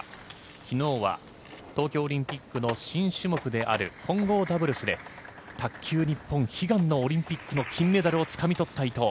昨日は東京オリンピックの新種目である混合ダブルスで卓球日本悲願のオリンピックの金メダルをつかみ取った伊藤。